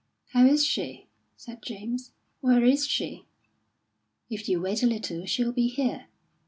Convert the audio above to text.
"How is she?" said James. "Where is she?" "If you wait a little she'll be here."